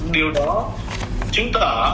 điều đó chứng tỏ